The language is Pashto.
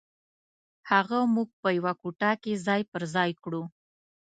هغه موږ په یوه کوټه کې ځای پر ځای کړو.